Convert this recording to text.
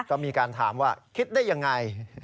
ก็มีการถามว่าคิดได้ยังไง